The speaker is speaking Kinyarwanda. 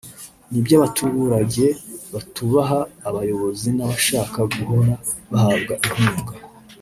n’iby’abaturage batubaha abayobozi n’ abashaka guhora bahabwa inkunga